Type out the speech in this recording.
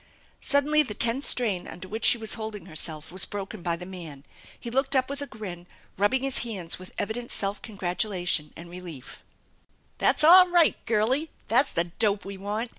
Suddenly the tense strain under which she was holding herself was broken by the man. He looked up with a grin, rubbing his hands with evident self gratulation and relief :" That's all right, Girlie ! That's the dope we want.